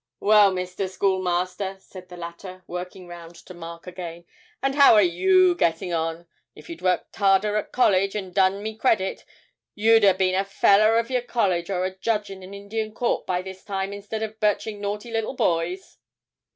'Well, Mr. Schoolmaster,' said the latter, working round to Mark again, 'and how are you gettin' on? If you'd worked harder at College and done me credit, you'd 'a' been a feller of your college, or a judge in an Indian court, by this time, instead of birching naughty little boys.'